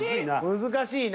難しいな。